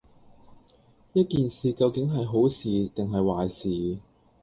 一件事究竟係好事定係壞事